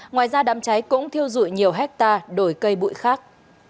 ngoài ra đám cháy cũng thiêu rụi nhiều hectare đồi cây bụi khác